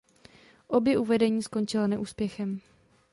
Obě uvedení skončila neúspěchem.